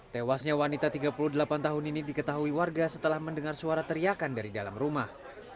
tewasnya wanita tiga puluh delapan tahun ini diketahui warga setelah mendengar suara teriakan dari dalam rumah